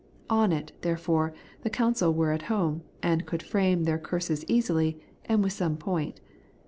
On it, there fore, the Council were at home, and could frame their curses easily, and with some point.